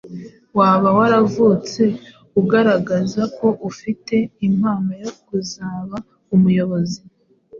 Waba waravutse ugaragaza ko ufite impano yo kuzaba umuyobozi